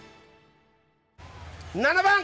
７番！